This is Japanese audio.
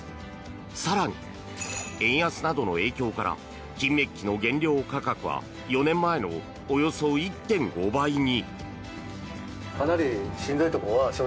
更に、円安などの影響から金メッキの原料価格は４年前のおよそ１．５倍に。